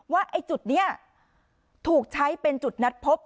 ว่าไอ้จุดนี้ถูกใช้เป็นจุดนัดพบ